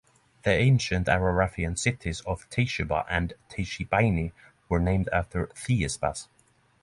The ancient Araratian cities of Teyseba and Teishebaini were named after Theispas.